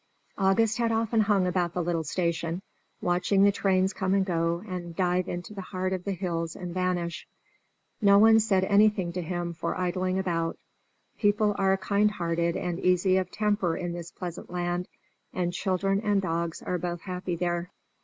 August had often hung about the little station, watching the trains come and go and dive into the heart of the hills and vanish. No one said anything to him for idling about; people are kind hearted and easy of temper in this pleasant land, and children and dogs are both happy there.